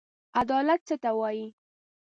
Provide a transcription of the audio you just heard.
عدالت څه ته وايي؟